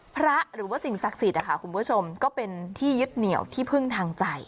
หรือว่าสิ่งศักดิ์สิทธิ์นะคะคุณผู้ชมก็เป็นที่ยึดเหนี่ยวที่พึ่งทางใจ